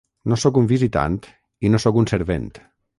"No soc un visitant i no soc un servent.